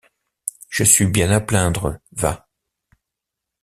Je suis bien à plaindre, va.